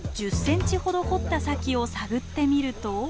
１０センチほど掘った先を探ってみると。